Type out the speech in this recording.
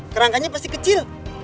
kerangkanya pasti kecil